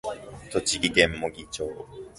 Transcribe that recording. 栃木県茂木町